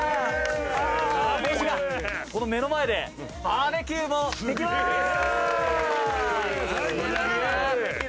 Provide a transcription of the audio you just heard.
この目の前でバーベキューもできます！